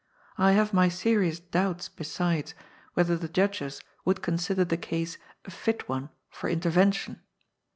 I hare my serious doubts, besides, whether the judges would consider the case a fit one for intervention.